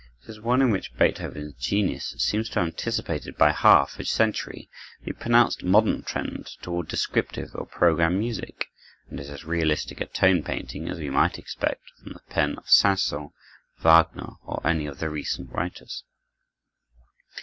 It is one in which Beethoven's genius seems to have anticipated by half a century the pronounced modern trend toward descriptive or program music, and is as realistic a tone painting as we might expect from the pen of Saint Saëns, Wagner, or any of the recent writers.